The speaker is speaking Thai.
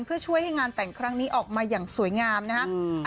เพื่อช่วยให้งานแต่งครั้งนี้ออกมาอย่างสวยงามนะครับ